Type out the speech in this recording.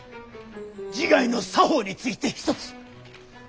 自害の作法についてひとつ。